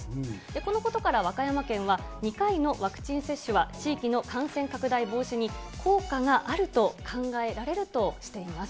このことから和歌山県は、２回のワクチン接種は地域の感染拡大防止に効果があると考えられるとしています。